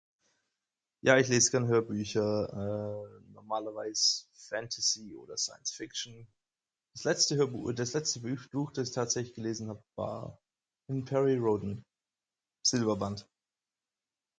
Ja, ich les' gern Hörbücher, eh, normalerweis Fantasy oder Sience Fiction. Das letzte Hörbuch und das letzte Buch Buch das ich tatsächlich gelesen hab war Perry Rhodan-Silberband.